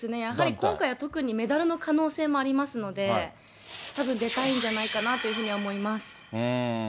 やはり、今回は特にメダルの可能性もありますので、たぶん、出たいんじゃないかなというふうには思います。